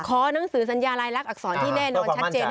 หนังสือสัญญาลายลักษณอักษรที่แน่นอนชัดเจน